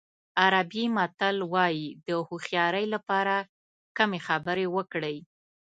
عربي متل وایي د هوښیارۍ لپاره کمې خبرې وکړئ.